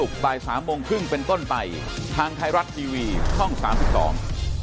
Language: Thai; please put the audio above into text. กลับมาพบกันใหม่พรุ่งนี้บาย๓๓๐นะครับ